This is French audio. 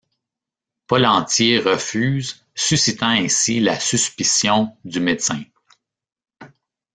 Pollentier refuse, suscitant ainsi la suspicion du médecin.